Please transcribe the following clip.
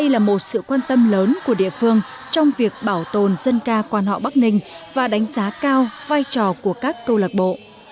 là một sự quan tâm lớn của địa phương trong việc bảo tồn dân ca quan họ bắc ninh và đánh giá cao vai trò của các câu lạc bộ